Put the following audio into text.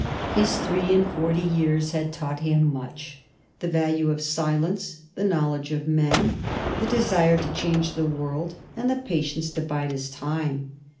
His three and forty years had taught him much: the value of silence, the knowledge of men, the desire to change the world and the patience to bide his time.